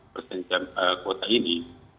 persenjataan kuota ini